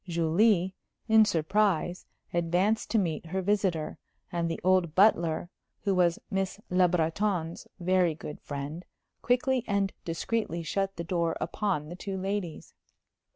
Julie, in surprise, advanced to meet her visitor, and the old butler, who was Miss Le Breton's very good friend, quickly and discreetly shut the door upon the two ladies.